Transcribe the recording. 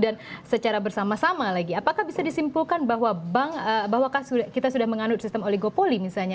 dan secara bersama sama lagi apakah bisa disimpulkan bahwa kita sudah menganut sistem oligopoli misalnya